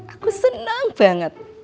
aku seneng banget